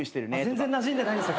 全然なじんでないです。